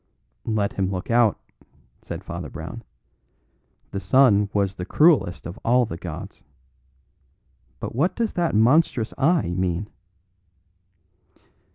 "Let him look out," said Father Brown. "The sun was the cruellest of all the gods. But what does that monstrous eye mean?"